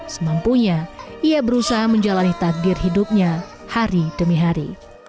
semampunya ia berusaha menjalani takdir hidupnya hari demi hari